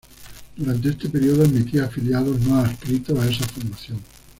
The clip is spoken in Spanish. Durante ese periodo admitía afiliados no adscritos a esa formación.